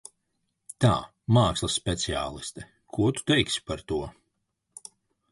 Tā, mākslas speciāliste, ko tu teiksi par to?